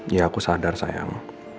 ya aku sadar sayang